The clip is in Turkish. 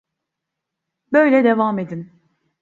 Böyle devam edin.